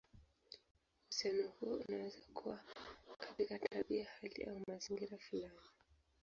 Uhusiano huo unaweza kuwa katika tabia, hali, au mazingira fulani.